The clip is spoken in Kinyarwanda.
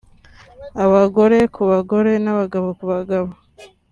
abagore ku bagore n’abagabo ku bagabo